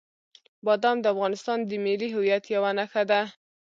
بادام د افغانستان د ملي هویت یوه نښه ده.